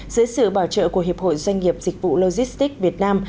dưới sự bảo trợ của hiệp hội doanh nghiệp dịch vụ logistics việt nam